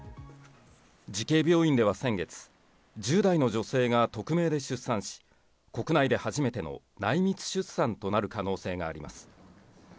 慈恵病院では先月、１０代の女性が匿名で出産し、国内で初めての内密出産となる可能性があります。